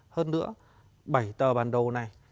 hơn nữa bảy tờ bản đồ này